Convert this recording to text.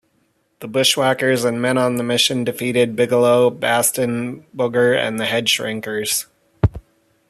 The Bushwhackers and Men on a Mission defeated Bigelow, Bastion Booger and the Headshrinkers.